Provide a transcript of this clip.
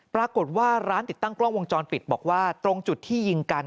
ปรากฏว่าร้านติดตั้งกล้องวงจรปิดบอกว่าตรงจุดที่ยิงกัน